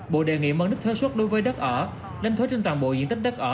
bộ đề nghị mấn đích thuế suốt đối với đất ở đánh thuế trên toàn bộ diện tích đất ở